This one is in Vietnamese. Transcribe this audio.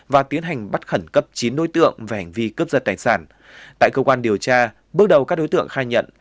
và tiến hành bắt khẩn cấp chín đối tượng về hành vi cướp giật tài sản tại cơ quan điều tra bước đầu các đối tượng khai nhận